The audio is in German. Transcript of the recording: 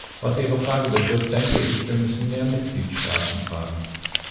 Was Ihre Frage betrifft, denke ich, wir müssen mehr Mitgliedstaaten fragen.